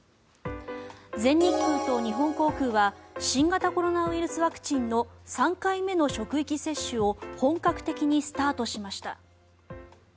全日空と日本航空は新型コロナウイルスワクチンの３回目の職域接種を本格的にスタートしました。